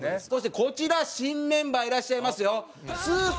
そしてこちら新メンバーいらっしゃいますよ。